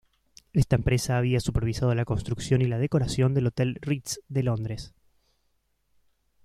Esta empresa había supervisado la construcción y la decoración del Hotel Ritz de Londres.